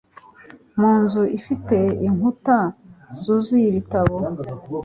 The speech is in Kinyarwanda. Mu nzu ifite inkuta zuzuye ibitabo